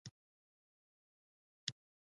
نوموړی نه یوازې ستر عالم او فیلسوف و.